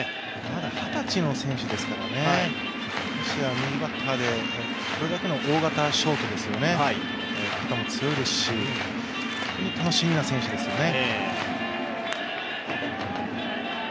まだ二十歳の選手ですからね、右バッターでこれだけの大型ショートですよね、肩も強いですし楽しみな選手ですよね。